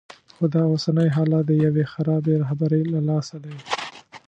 خو دا اوسنی حالت د یوې خرابې رهبرۍ له لاسه دی.